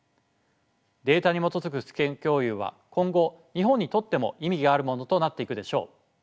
データに基づく知見共有は今後日本にとっても意義があるものとなっていくでしょう。